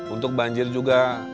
untuk banjir juga